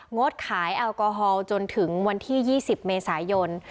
ดขายแอลกอฮอลจนถึงวันที่๒๐เมษายน